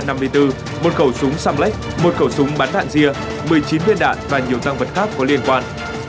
một khẩu súng samlex một khẩu súng bắn đạn rìa một mươi chín viên đạn và nhiều tăng vật khác có liên quan